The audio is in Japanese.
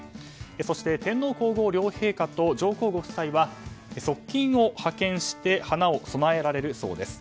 そして、天皇・皇后両陛下と上皇ご夫妻は側近を派遣して花を供えられるそうです。